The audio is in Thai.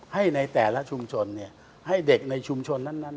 ให้ในแต่ละชุมชนให้เด็กในชุมชนนั้น